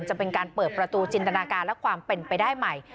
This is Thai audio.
จะเป็นการเปิดประตูจินตนาการและความเป็นไปได้ใหม่